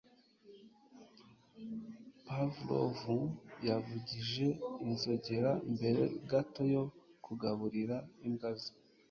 Pavlov yavugije inzogera mbere gato yo kugaburira imbwa ze.